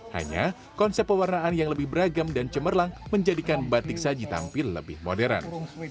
hanya konsep pewarnaan yang lebih beragam dan cemerlang menjadikan batik saji tampil lebih modern